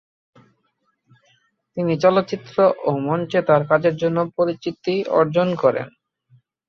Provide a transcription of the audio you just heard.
তিনি চলচ্চিত্র ও মঞ্চে তার কাজের জন্য পরিচিতি অর্জন করেন।